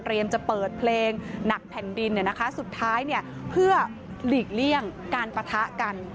จะเปิดเพลงหนักแผ่นดินสุดท้ายเนี่ยเพื่อหลีกเลี่ยงการปะทะกัน